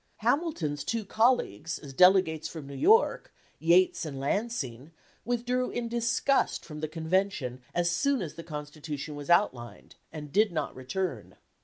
Hamilton's two colleagues, as delegates from New York, Yates and Lansing, withdrew in disgust from the Convention, as soon as the Constitution was outlined, and did not return.